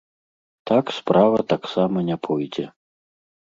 Так справа таксама не пойдзе.